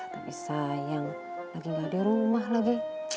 tapi sayang lagi gak di rumah lagi